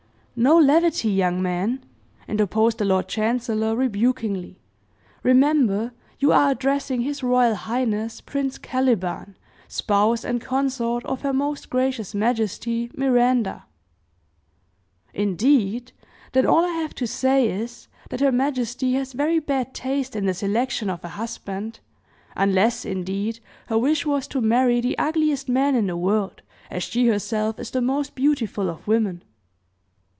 "No levity, young man!" interposed the lord chancellor, rebukingly; "remember, you are addressing His Royal Highness Prince Caliban, Spouse, and Consort of Her Most Gracious Majesty, Miranda!" "Indeed! Then all I have to say, is, that her majesty has very bad taste in the selection of a husband, unless, indeed, her wish was to marry the ugliest man in the world, as she herself is the most beautiful of women!"